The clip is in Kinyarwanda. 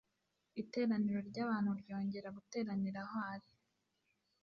iteraniro ry'abantu ryongera guteranira aho ari,